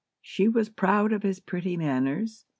She was proud of his pretty manners.